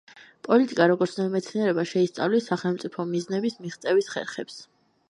პოლიტიკა, როგორც მეცნიერება შეისწავლის სახელმწიფო მიზნების მიღწევის ხერხებს.